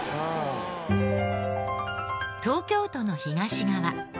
東京都の東側。